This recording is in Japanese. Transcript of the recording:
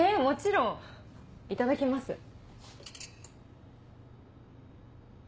もちろん！いただきます。